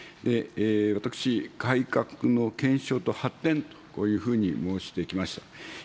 私、改革の検証と発展というふうに申してきました。